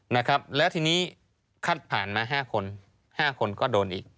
นะครับแล้วทีนี้คัดผ่านมา๕คน๕คนก็โดนอีก